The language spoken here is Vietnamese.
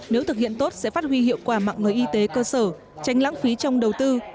nếu thực hiện tốt sẽ phát huy hiệu quả mạng lưới y tế cơ sở tránh lãng phí trong đầu tư